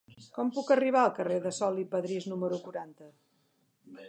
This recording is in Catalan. Com puc arribar al carrer de Sol i Padrís número quaranta?